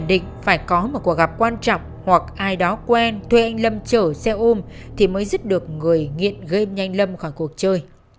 đã có một cuộc gặp quan trọng hoặc ai đó quen thuê anh lâm chở xe ôm thì mới giúp được người nghiện game nhanh lâm khỏi cuộc chơi